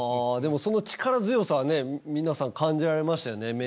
でもその力強さはね皆さん感じられましたよね